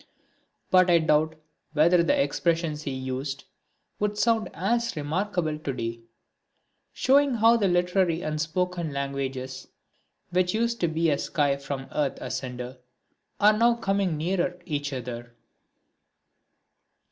But I doubt whether the expressions he used would sound as remarkable to day; showing how the literary and spoken languages, which used to be as sky from earth asunder, are now coming nearer each other.